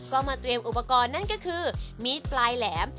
ก็มาเตรียมอุปกรณ์นั่นก็คือมีดปลายแหลม